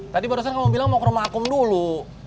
tadi barusan kamu bilang mau ke rumah akum dulu